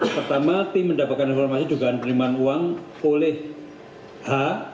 pertama tim mendapatkan informasi dugaan penerimaan uang oleh h